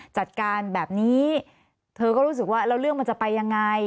จัดการแบบนี้เธอก็รู้สึกว่าแล้วเรื่องมันจะไปยังไง